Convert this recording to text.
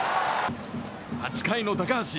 ８回の高橋。